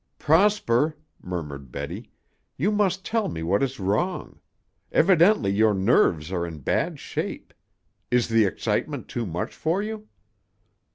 "Prosper," murmured Betty, "you must tell me what is wrong. Evidently your nerves are in bad shape. Is the excitement too much for you?"